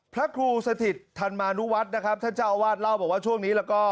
พระครูสถิตธรรมานุวัฒน์นะครับท่านเจ้าอาวาสเล่าบอกว่าช่วงนี้แล้วก็